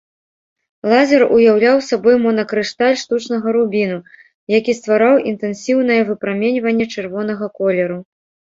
Лазер уяўляў сабой монакрышталь штучнага рубіну, які ствараў інтэнсіўнае выпраменьванне чырвонага колеру.